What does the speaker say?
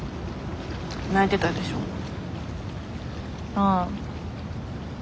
ああ。